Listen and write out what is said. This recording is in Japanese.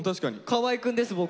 河合くんです僕。